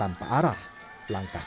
langkah kaki para teruner menyesuaikan